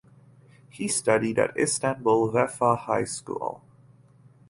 He studied at Istanbul Vefa High School.